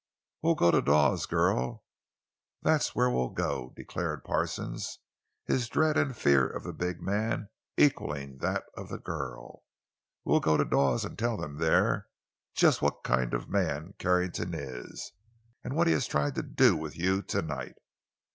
"We'll go to Dawes, girl; that's where we'll go!" declared Parsons, his dread and fear of the big man equaling that of the girl. "We'll go to Dawes and tell them there just what kind of a man Carrington is—and what he has tried to do with you tonight!